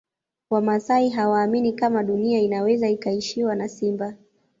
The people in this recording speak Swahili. Wamasai hawaamini kama Dunia inaweza ikaishiwa na simba